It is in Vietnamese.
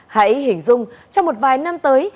hãy hình dung trong một vài năm tới